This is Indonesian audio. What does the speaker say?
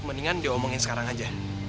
mendingan diomongin sekarang aja